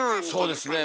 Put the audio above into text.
そうですね。